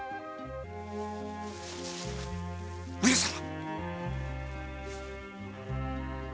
上様。